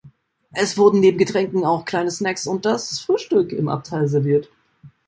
Es wurden neben Getränken auch kleine Snacks und das Frühstück im Abteil serviert.